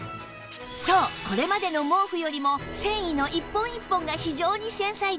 そうこれまでの毛布よりも繊維の１本１本が非常に繊細で高密度